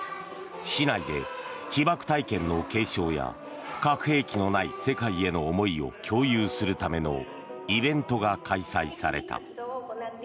市内で被爆体験の継承や核兵器のない世界への思いを共有するためのイベントが開催された。